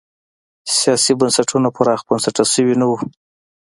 سیاسي بنسټونه پراخ بنسټه شوي نه وو.